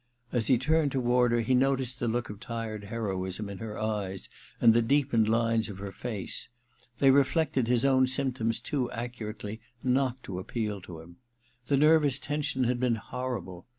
As he turned toward her, he noticed the look of tired heroism in her eyes, the deepened lines of her face. They reflected his own symptoms too accurately not to appeal to him. The nervous tension had been horrible.